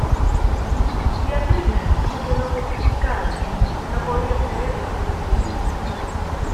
Beatriz se quedó petrificada, no podía creer lo que veía.